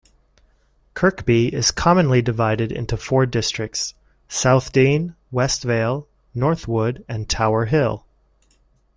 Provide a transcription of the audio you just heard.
Kirkby is commonly divided into four districts - Southdene, Westvale, Northwood, and Tower Hill.